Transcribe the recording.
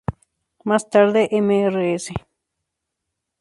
Más tarde Mrs.